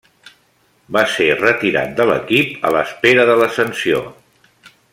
Va ser retirat de l'equip a l'espera de la sanció.